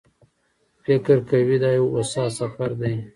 فکر کوي دا یو هوسا سفر دی.